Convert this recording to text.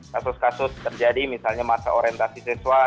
kasus kasus terjadi misalnya masa orientasi siswa